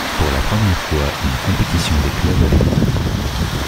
Pour la première fois une compétition des clubs avait lieu.